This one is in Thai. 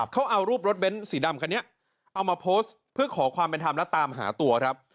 เขาเอารูปรถเบ้นสีดำคันนี้เอามาโพสต์เพื่อขอความเป็นธรรมและตามหาตัวครับ